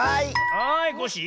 はいコッシー。